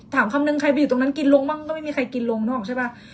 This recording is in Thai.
คำนึงใครไปอยู่ตรงนั้นกินลงบ้างก็ไม่มีใครกินลงนึกออกใช่ป่ะ